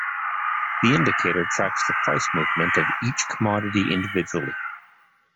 The indicator tracks the price movement of each commodity individually.